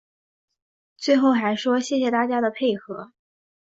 最后还说谢谢大家的配合